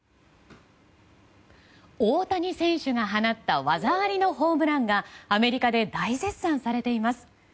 大谷選手が放った技ありのホームランがアメリカで大絶賛されています。